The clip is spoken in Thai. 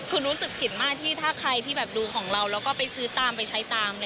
คือรู้สึกผิดมากที่ถ้าใครที่ดูของเรา